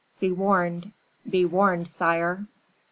Be warned, be warned, sire.